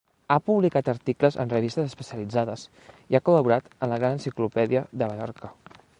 Ha publicat articles en revistes especialitzades i ha col·laborat en la Gran Enciclopèdia de Mallorca.